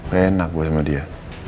gue enak gue sama dia